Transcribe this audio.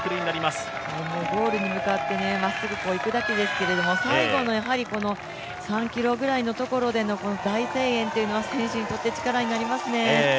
ゴールに向かって、まっすぐいくだけですけれども、最後の３ｋｍぐらいのところでの大声援というのは選手にとって力になりますね。